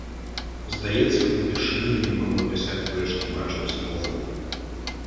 Здаецца, упершыню я не магу апісаць тое, што бачыў, словамі.